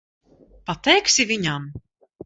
Pateiksi viņam?